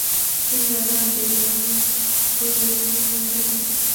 কিন্তু দাদা, আর দেরি করা নয়, খুকিকে শ্বশুরবাড়ি পাঠিয়ে দাও।